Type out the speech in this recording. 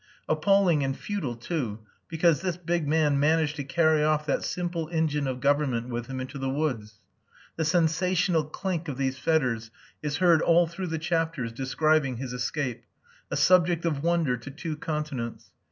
Appalling and futile too, because this big man managed to carry off that simple engine of government with him into the woods. The sensational clink of these fetters is heard all through the chapters describing his escape a subject of wonder to two continents.